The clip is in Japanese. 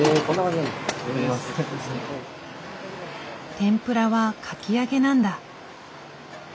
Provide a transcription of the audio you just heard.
天ぷらはかき揚げなんだ。